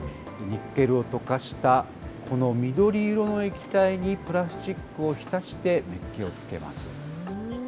ニッケルを溶かしたこの緑色の液体にプラスチックを浸して、めっきをつけます。